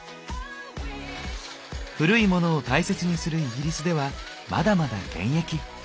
古いモノを大切にするイギリスではまだまだ現役。